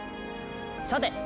さて！